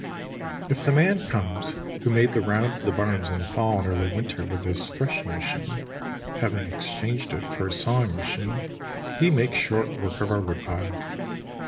If the man comes who made the round of the barns in the fall and early winter with his threshing machine, having exchanged it for a sawing machine, he makes short work of our woodpile.